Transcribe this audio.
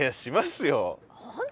本当？